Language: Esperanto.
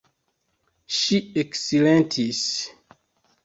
Ŝi eksilentis.